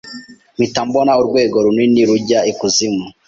Mpita mbona urwego runini rujya I kuzimu